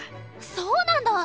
そうなんだ！